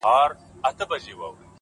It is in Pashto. له هغه وخته مو خوښي ليدلې غم نه راځي ـ